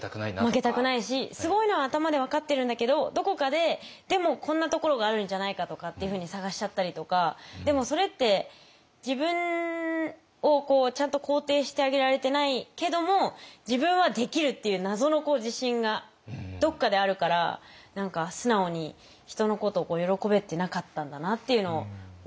負けたくないしすごいのは頭で分かってるんだけどどこかででもこんなところがあるんじゃないかとかっていうふうに探しちゃったりとかでもそれって自分をちゃんと肯定してあげられてないけども自分はできる！っていう謎の自信がどっかであるから何か素直に人のことを喜べてなかったんだなっていうのを思ってます。